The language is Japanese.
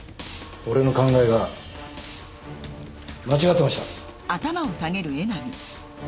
俺の考えが間違ってました。